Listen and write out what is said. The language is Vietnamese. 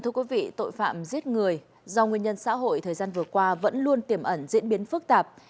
tội phạm giết người do nguyên nhân xã hội thời gian vừa qua vẫn luôn tiềm ẩn diễn biến phức tạp